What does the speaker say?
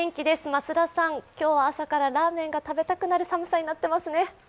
増田さん、今日は朝からラーメンが食べたくなる寒さになっていますね。